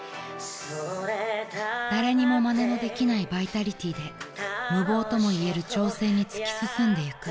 ［誰にもまねのできないバイタリティーで無謀ともいえる挑戦に突き進んでいく］